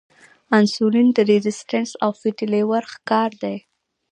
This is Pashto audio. انسولین ريزسټنس او فېټي لیور ښکار دي -